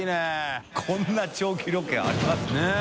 こんな長期ロケあります？ねぇ。